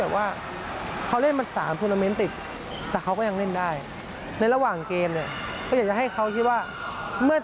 อย่าไปมองว่าเขา๑๗แล้ว